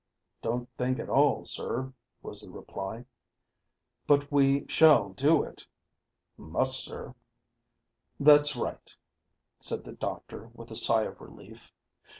"Don't think at all, sir," was the reply. "But we shall do it?" "Must, sir." "That's right," said the doctor, with a sigh of relief.